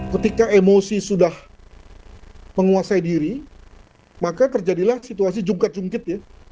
ketika emosi sudah menguasai diri maka terjadilah situasi jungkat jungkit ya